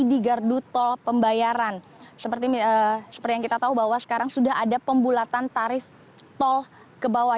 di gardu tol pembayaran seperti yang kita tahu bahwa sekarang sudah ada pembulatan tarif tol ke bawah